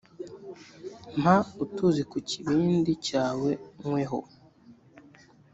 mpa utuzi ku kibindi cyawe nyweho